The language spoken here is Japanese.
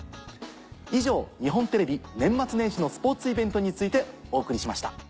以上日本テレビ年末年始のスポーツイベントについてお送りしました。